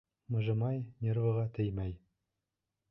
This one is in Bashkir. Мыжымай, нервыға теймәй.